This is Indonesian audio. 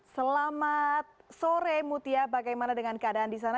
selamat sore mutia bagaimana dengan keadaan di sana